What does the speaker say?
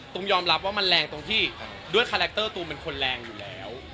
ยอมรับว่ามันแรงตรงที่ด้วยคาแรคเตอร์ตูมเป็นคนแรงอยู่แล้ว